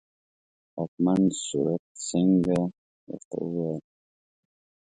واکمن سورت سینګه ورته وویل.